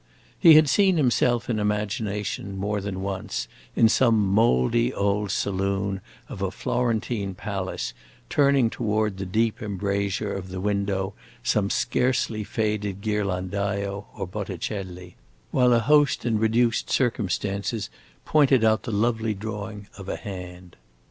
He had seen himself in imagination, more than once, in some mouldy old saloon of a Florentine palace, turning toward the deep embrasure of the window some scarcely faded Ghirlandaio or Botticelli, while a host in reduced circumstances pointed out the lovely drawing of a hand.